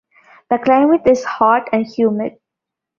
The climate is hot and humid.